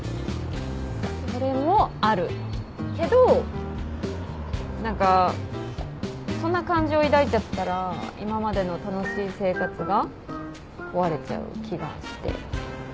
それもあるけど何かそんな感情抱いちゃったら今までの楽しい生活が壊れちゃう気がして。